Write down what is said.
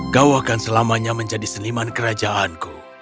kau akan selamanya menjadi seniman kerajaanku